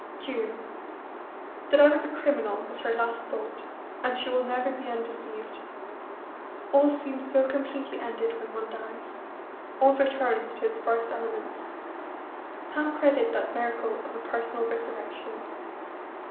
June. That I was a criminal was her last thought, and she will never be undeceived. All seems so completely ended when one dies. All returns to its first elements. How credit that miracle of a personal resurrection?